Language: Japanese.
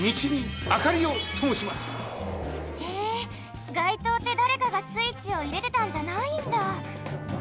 へえがいとうってだれかがスイッチをいれてたんじゃないんだ！